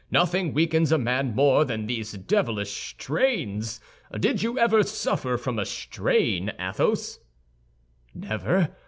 Nothing weakens a man more than these devilish strains. Did you ever suffer from a strain, Athos?" "Never!